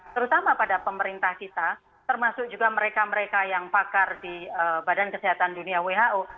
terutama pada pemerintah kita termasuk juga mereka mereka yang pakar di badan kesehatan dunia who